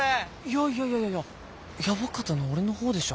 いやいやいやいややばかったの俺の方でしょ